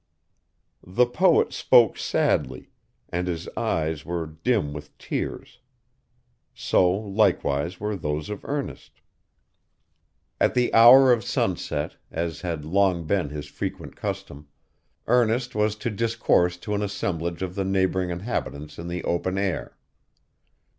The poet spoke sadly, and his eyes were dim with tears. So, likewise, were those of Ernest. At the hour of sunset, as had long been his frequent custom, Ernest was to discourse to an assemblage of the neighboring inhabitants in the open air.